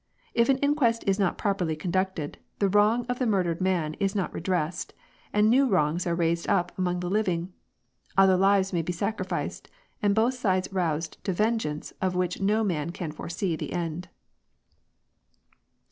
If an inquest is not properly conducted, the wrong of the murdered man is not redressed, and new wrongs are raised up amongst the living; other lives may be sacrificed, and both sides roused to vengeance of which no man can foresee the end."